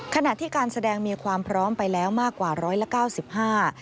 ขณะที่การแสดงมีความพร้อมไปแล้วมากกว่าร้อยละเก้าสิบห้า